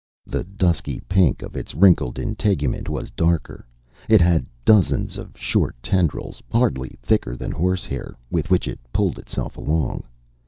The dusky pink of its wrinkled integument was darker. It had dozens of short tendrils, hardly thicker than horsehair, with which it pulled itself along.